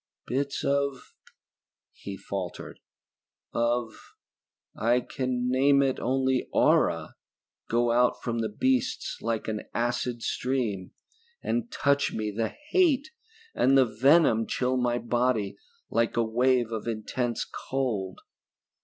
"Bits of ..." He faltered. "Of ... I can name it only aura, go out from the beasts like an acid stream, and touch me, and the hate, and the venom chill my body like a wave of intense cold.